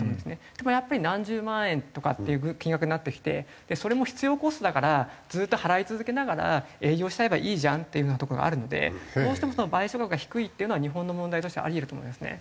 でもやっぱり何十万円とかっていう金額になってきてそれも必要コストだからずっと払い続けながら営業しちゃえばいいじゃんっていう風なところがあるのでどうしても賠償額が低いっていうのは日本の問題としてあり得ると思いますね。